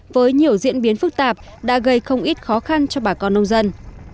với nhiều diễn biến phức tạp đã gây không ít khó khăn cho bà con nông dân